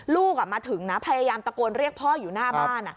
ลูกมาถึงนะพยายามตะโกนเรียกพ่ออยู่หน้าบ้าน